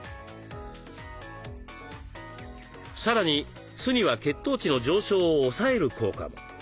さらに酢には血糖値の上昇を抑える効果も。